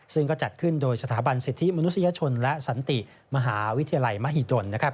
ซึ่งก็จัดขึ้นโดยสถาบันสิทธิมนุษยชนและสันติมหาวิทยาลัยมหิดล